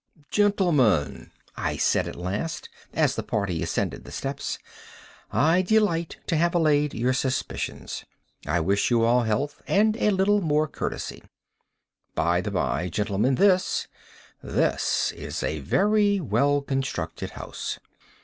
"Gentlemen," I said at last, as the party ascended the steps, "I delight to have allayed your suspicions. I wish you all health, and a little more courtesy. By the bye, gentlemen, this—this is a very well constructed house."